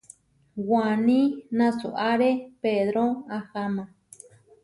Waní nasuáre Pedró aháma.